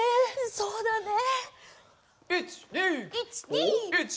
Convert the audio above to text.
そうだね。